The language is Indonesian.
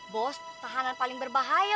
bos tahanan paling berbahaya